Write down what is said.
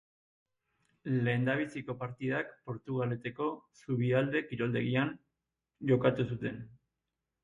Lehendabiziko partidak Portugaleteko Zubi Alde kiroldegian jokatu zuten.